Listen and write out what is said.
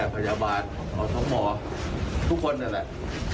แค่พยาบาลของท้องหมอทุกคนเนี่ยแหละ